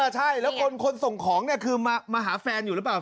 ใช่แล้วคนส่งของคือมาหาแฟนอยู่หรือเปล่า